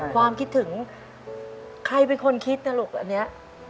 ความคิดถึงใครเป็นคนคิดนะลูกอันนี้